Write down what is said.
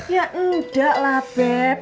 ya enggak lah beb